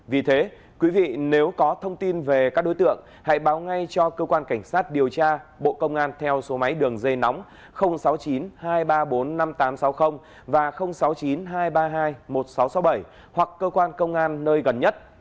vì thế quý vị nếu có thông tin về các đối tượng hãy báo ngay cho cơ quan cảnh sát điều tra bộ công an theo số máy đường dây nóng sáu mươi chín hai trăm ba mươi bốn năm nghìn tám trăm sáu mươi và sáu mươi chín hai trăm ba mươi hai một nghìn sáu trăm sáu mươi bảy hoặc cơ quan công an nơi gần nhất